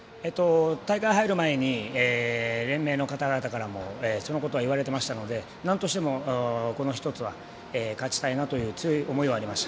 大会入る前に連盟の方々からもそのことは言われてましたのでなんとしても、この１つは勝ちたいなという強い思いはありました。